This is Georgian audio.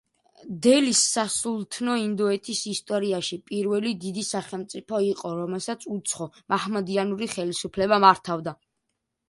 დელის სასულთნო ინდოეთის ისტორიაში პირველი დიდი სახელმწიფო იყო, რომელსაც უცხო, მაჰმადიანური ხელისუფლება მართავდა.